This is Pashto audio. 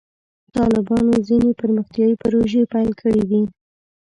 طالبانو ځینې پرمختیایي پروژې پیل کړې دي.